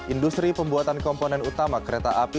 industri pembuatan komponen anggota buah